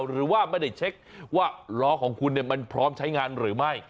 หรือว่าไม่ได้เช็คว่าล้อของคุณมันพร้อมใช้งานหรือไม่